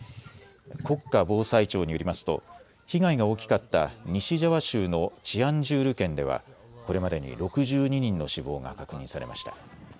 国家防災庁によりますと被害が大きかった西ジャワ州のチアンジュール県ではこれまでに６２人の死亡が確認されました。